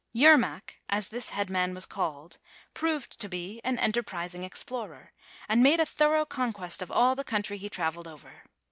Yermak, as this headman was called, proved to be an enterprising explorer, and made a through conquest of all the country he traveled over.